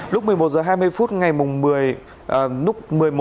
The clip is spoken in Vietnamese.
lúc một mươi một h hai mươi phút ngày một tháng một mươi năm hai nghìn một mươi chín